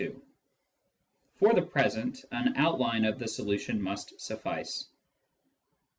2 For the present an outline of the solution must suffice.